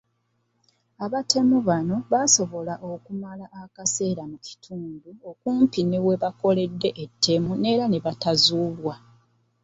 Abatemu bano basobola n’okumala akaseera mu kitundu okumpi ne we bakoledde, ettemu ne batazuulwa.